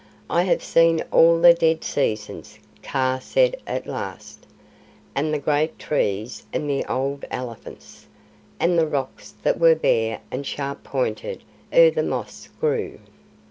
"I have seen all the dead seasons," Kaa said at last, "and the great trees and the old elephants, and the rocks that were bare and sharp pointed ere the moss grew.